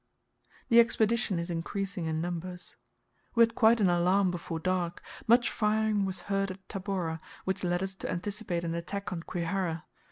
The Expedition is increasing in numbers. We had quite an alarm before dark. Much firing was heard at Tabora, which led us to anticipate an attack on Kwihara.